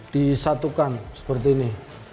disatukan seperti ini